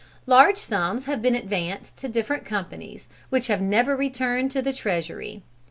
Large sums have been advanced to different companies, which have never returned to the treasury.